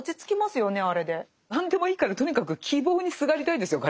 何でもいいからとにかく希望にすがりたいんですよ